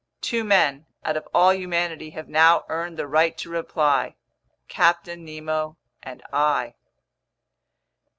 —two men out of all humanity have now earned the right to reply. Captain Nemo and I.